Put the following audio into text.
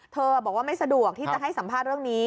บอกว่าไม่สะดวกที่จะให้สัมภาษณ์เรื่องนี้